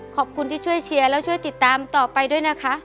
ขอบคุณที่ช่วยเชียร์แล้วช่วยติดตามต่อไปด้วยนะคะ